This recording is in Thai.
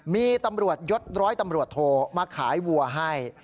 มีตำรวจยศร้อยตำรวจโทมาขายวัวให้